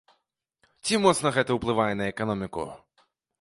Ці моцна гэта ўплывае на эканоміку?